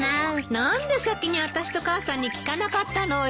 何で先にあたしと母さんに聞かなかったのよ。